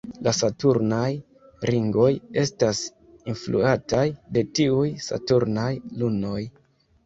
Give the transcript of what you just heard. La saturnaj ringoj estas influataj de tiuj saturnaj lunoj.